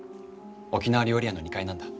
沖縄料理屋の２階なんだ。